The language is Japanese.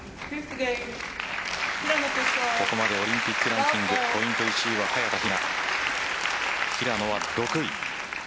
ここまでオリンピックランキングポイント１位は早田ひな平野は６位。